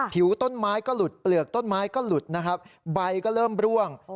ผิวต้นไม้ก็หลุดเปลือกต้นไม้ก็หลุดนะครับใบก็เริ่มร่วง